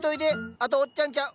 あとおっちゃんちゃう。